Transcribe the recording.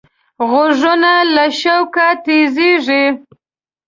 غوږونه له شوقه تیزېږي